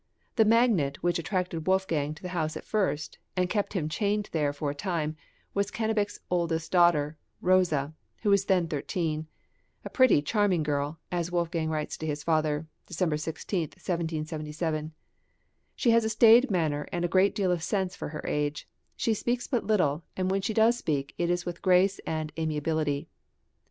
The magnet which attracted Wolfgang to the house at first, and kept him chained there for a time, was Cannabich's eldest daughter Rosa, who was then thirteen, "a pretty, charming girl," as Wolfgang writes to his father (December 16,1777); "she has a staid manner and a great deal of sense for her age; she speaks but little, and when she does speak it is with grace and amiability."